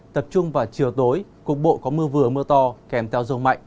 tập trung vào chiều tối cục bộ có mưa vừa mưa to kèm theo rông mạnh